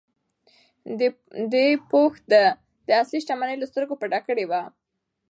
دې پوښ د ده اصلي شتمني له سترګو پټه کړې وه.